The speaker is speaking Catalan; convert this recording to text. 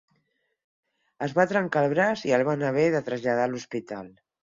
Es va trencar el braç i el van haver de traslladar a l'hospital.